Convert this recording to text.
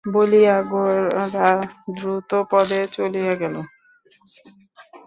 বলিয়া গোরা দ্রুতপদে চলিয়া গেল।